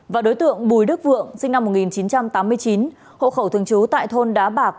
và đối tượng bùi đức vượng sinh năm một nghìn chín trăm tám mươi chín hộ khẩu thường trú tại thôn đá bạc